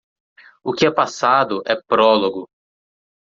O que é passado é prólogo